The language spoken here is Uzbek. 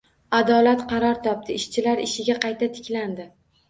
Adolat qaror topdi: ishchilar ishiga qayta tiklandi